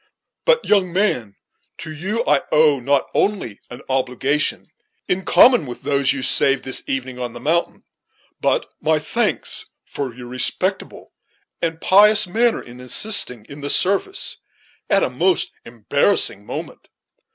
But, young man, to you I owe not only an obligation, in common with those you saved this evening on the mountain, but my thanks for your respectable and pious manner in assisting in the service at a most embarrassing moment.